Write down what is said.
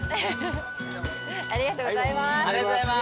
ありがとうございます。